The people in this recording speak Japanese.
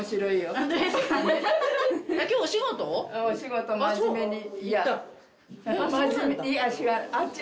今日はお仕事に。